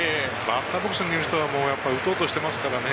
バッターボックスにいる人は打とうとしていますからね。